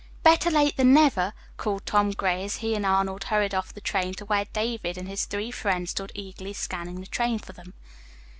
"Better late than never," called Tom Gray as he and Arnold hurried off the train to where David and his three friends stood eagerly scanning the train for them.